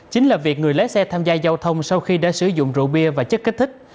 chính là việc người lái xe tham gia giao thông sau khi đã sử dụng rượu bia và chất kích thích